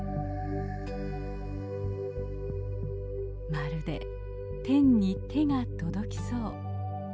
まるで天に手が届きそう。